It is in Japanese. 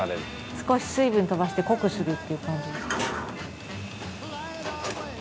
少し水分飛ばして濃くするっていう感じですか？